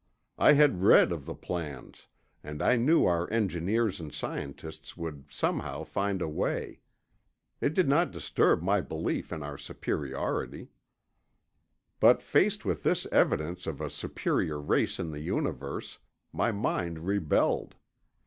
I had read of the plans, and I knew our engineers and scientists would somehow find a way. It did not disturb my belief in our superiority. But faced with this evidence of a superior race in the universe, my mind rebelled.